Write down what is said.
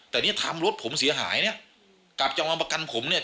แต่ถามรถผมเสียหายเนี่ยกับจังหวังประกันผมเนี่ย